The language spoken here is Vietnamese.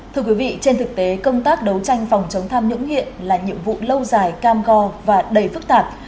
thưa quý vị trên thực tế công tác đấu tranh phòng chống tham nhũng hiện là nhiệm vụ lâu dài cam go và đầy phức tạp